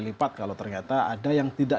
lipat kalau ternyata ada yang tidak